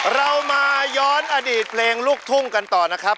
เรามาย้อนอดีตเพลงลูกทุ่งกันต่อนะครับ